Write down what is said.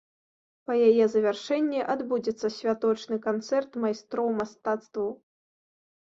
Па яе завяршэнні адбудзецца святочны канцэрт майстроў мастацтваў.